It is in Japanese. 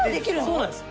そうなんです。